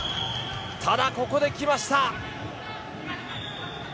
ただ、ここで来ました。